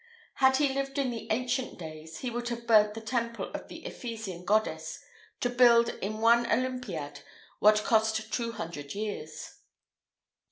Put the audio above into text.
Had he lived in the ancient days, he would have burnt the temple of the Ephesian goddess to build, in one olympiad, what cost two hundred years.